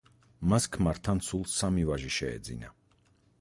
მას ქმართან სულ სამი ვაჟი შეეძინა.